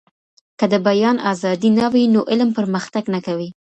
که د بيان ازادي نه وي نو علم پرمختګ نه کوي.